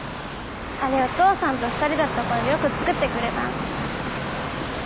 あれお父さんと２人だったころよく作ってくれたの。